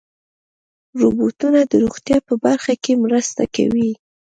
روبوټونه د روغتیا په برخه کې مرسته کوي.